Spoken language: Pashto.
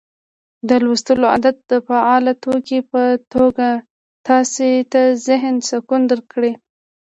د لوستلو عادت د فعال توکي په توګه تاسي ته ذهني سکون درکړي